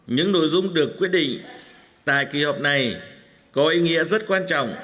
những nội dung được quyết định tại kỳ họp này có ý nghĩa rất quan trọng